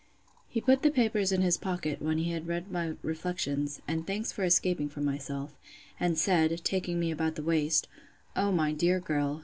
He put the papers in his pocket, when he had read my reflections, and thanks for escaping from myself; and said, taking me about the waist, O my dear girl!